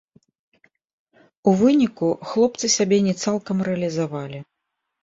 У выніку хлопцы сябе не цалкам рэалізавалі.